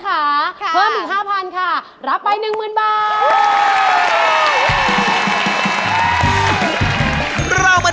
การเรียนการแรงค้ำ